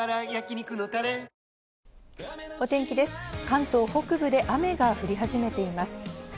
関東北部で雨が降り始めています。